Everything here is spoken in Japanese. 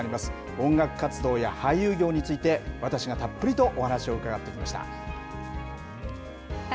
音楽活動や俳優業について、私がたっぷりとお話を伺ってきました。